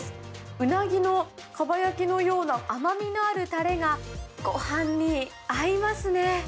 うなぎの蒲焼きのような甘みのあるたれが、ごはんに合いますね。